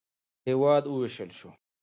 هېواد ووېشل شو.